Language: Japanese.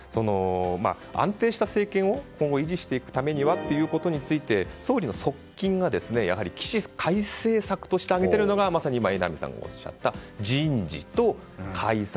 安定した政権を今後維持していくためにはということについて総理の側近がやはり起死回生の策として挙げているのがまさに今榎並さんがおっしゃった人事と解散